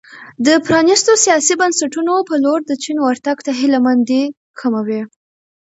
د پرانیستو سیاسي بنسټونو په لور د چین ورتګ ته هیله مندي کموي.